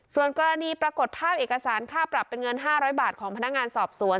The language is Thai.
ส่วนกรณีปรากฏภาพเอกสารค่าปรับเป็นเงิน๕๐๐บาทของพนักงานสอบสวน